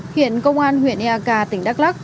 hiện công an huyện ek tỉnh đắk lắc